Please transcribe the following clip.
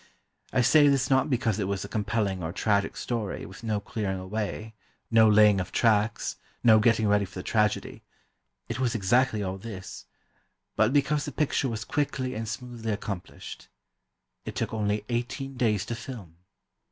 I say this not because it was a compelling or tragic story with no clearing away, no laying of tracks, no getting ready for the tragedy—it was exactly all this; but because the picture was quickly and smoothly accomplished. It took only eighteen days to film.